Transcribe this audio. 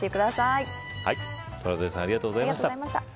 トラウデンさんありがとうございました。